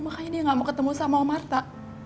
makanya dia gak mau ketemu sama om arta